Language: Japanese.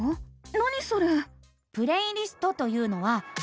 何それ？